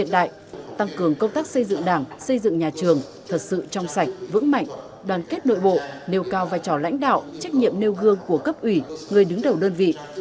tập trung xây dựng đề án phát triển tăng cường công tác xây dựng đảng xây dựng nhà trường thật sự trong sạch vững mạnh đoàn kết nội bộ nêu cao vai trò lãnh đạo trách nhiệm nêu gương của cấp ủy người đứng đầu đơn vị